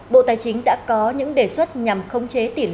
bộ tài chính đã có những đề xuất nhằm khống chế tỉnh